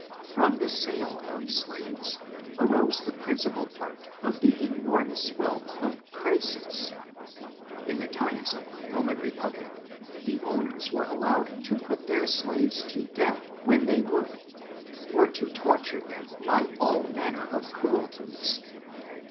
From the sale of slaves arose the principal part of the enormous wealth of CroBSus. In Uie times of the Roman republic, the owners were allowed to put their slaves to death whenthey would, or to torture them by all manner of cruelties.